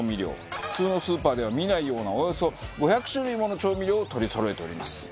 普通のスーパーでは見ないようなおよそ５００種類もの調味料を取りそろえております。